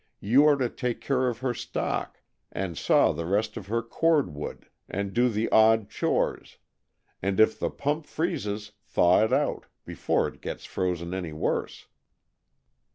You are to take care of her stock, and saw the rest of her cord wood, and do the odd chores, and if the pump freezes thaw it out, before it gets frozen any worse."